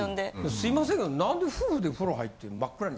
すいませんけどなんで夫婦で風呂入って真っ暗に。